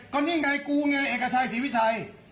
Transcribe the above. ก็นี่ไงกูไงเอกชัยศรีวิชัย